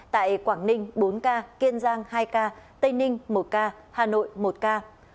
tại quảng ninh bốn ca kiên giang hai ca tây ninh một ca hà nội một ca